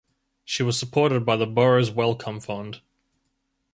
She was supported by the Burroughs Wellcome fund.